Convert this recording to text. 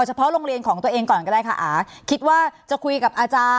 ใช่ครับ